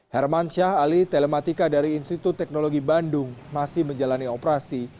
herman syah ali telematika dari institut teknologi bandung masih menjalani operasi